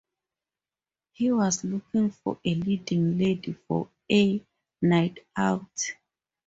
He was looking for a leading lady for "A Night Out".